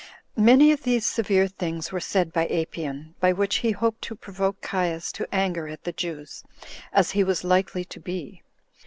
Many of these severe things were said by Apion, by which he hoped to provoke Caius to anger at the Jews, as he was likely to be.